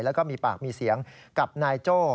แล้วก็มีปากมีเสียงกับนายโจ้